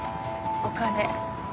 お金。